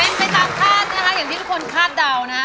เป็นไปตามคาดนะคะอย่างที่ทุกคนคาดเดานะ